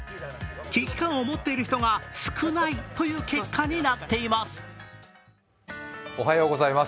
危機感を持っている人が少ないという結果になっています。